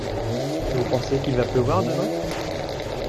Et vous pensez qu’il va pleuvoir demain ?